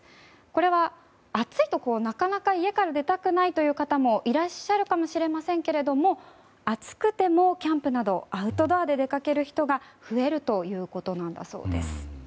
これは暑いと、なかなか家から出たくないという方もいらっしゃるかもしれませんけれども暑くてもキャンプなどアウトドアで出かける人が増えるということなんだそうです。